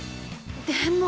でも。